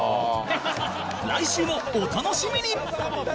来週もお楽しみに！